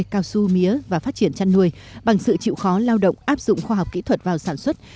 cao su mía và phát triển chăn nuôi bằng sự chịu khó lao động áp dụng khoa học kỹ thuật vào sản xuất